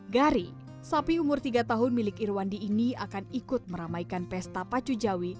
gari sapi umur tiga tahun milik irwandi ini akan ikut meramaikan pesta pacu jawi